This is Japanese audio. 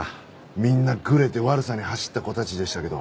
みんなグレて悪さに走った子たちでしたけど。